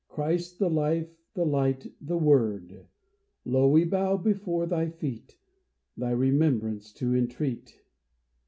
Christ, the Life, the Light, the Word, Low we bow before thy feet, Thy remembrance to entreat